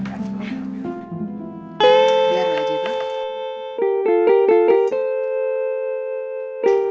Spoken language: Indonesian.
biar lagi bu